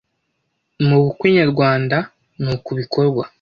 mu bukwe Nyarwanda nuku bikorwa